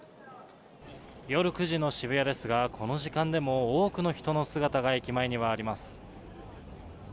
夜９時の渋谷ですが、この時間でも多くの人の姿が駅前にはあります。